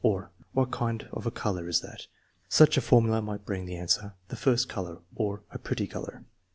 " or, " What kind of a color is that ?" Such a formula might bring the answer, " The first color "; or, " A pretty color."